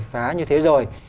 phá như thế rồi